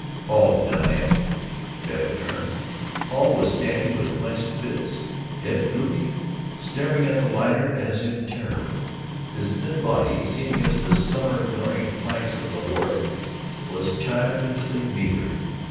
Paul did not answer. Babbitt turned. Paul was standing with clenched fists, head drooping, staring at the liner as in terror. His thin body, seen against the summer glaring planks of the wharf, was childishly meager.